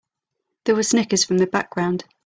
There were snickers from the background.